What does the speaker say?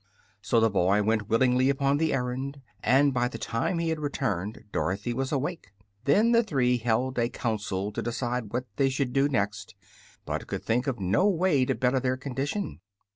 So the boy went willingly upon the errand, and by the time he had returned Dorothy was awake. Then the three held a counsel to decide what they should do next, but could think of no way to better their condition.